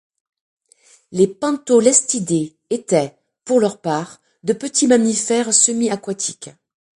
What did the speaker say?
Les pantolestidés étaient, pour leur part, de petits mammifères semi-aquatiques.